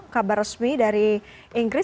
kabar resmi dari inggris